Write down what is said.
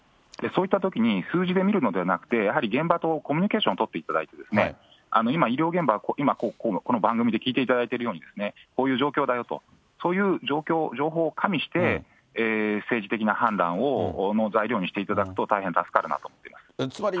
そういったときに、数字で見るのではなくて、やはり現場とコミュニケーションを取っていただいて、今、医療現場は、この番組で聞いていただいているように、こういう状況だよと、そういう情報を加味して、政治的な判断の材料にしていただくと大変助かるなと思います。